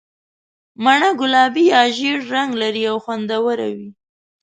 مڼه ګلابي یا ژېړ رنګ لري او خوندوره وي.